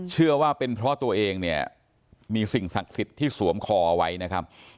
เชื่อว่าเป็นเพราะตัวเองเนี่ยมีสิ่งศักดิ์สิทธิ์ที่สวมคอไว้นะครับ